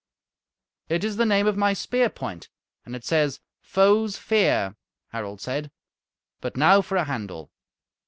"It is the name of my spear point, and it says, 'Foes' fear,'" Harald said. "But now for a handle."